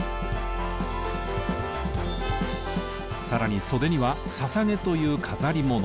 さらに袖には「ささげ」という飾り物。